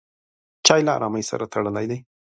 چای له ارامۍ سره تړلی دی.